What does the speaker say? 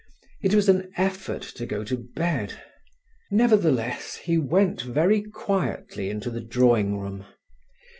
It was an effort to go to bed. Nevertheless, he went very quietly into the drawing room.